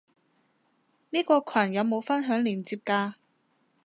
呢個羣有冇分享連接嘅？